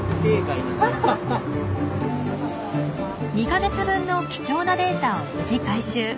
２か月分の貴重なデータを無事回収。